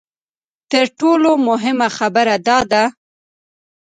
تر ټولو مهمه خبره دا ده.